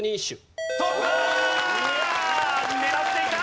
トップだ！